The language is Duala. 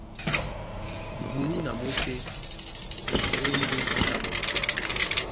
Bulú na mwésé ɓá e ndé búnyá ɓɔɔ́.